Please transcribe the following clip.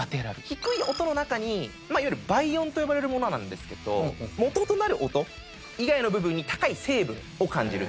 低い音の中にいわゆる倍音と呼ばれるものなんですけど基となる音以外の部分に高い成分を感じるっていう。